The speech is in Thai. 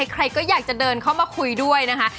ใครก็อยากจะเดินเข้ามาคุยด้วยนะคะ